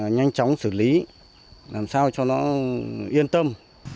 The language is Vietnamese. nhanh chóng xử lý làm sao cho nó yên tâm